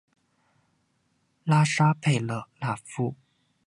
拉沙佩勒纳夫。